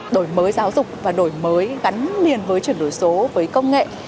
đổi mới giáo dục và đổi mới gắn liền với chuyển đổi số với công nghệ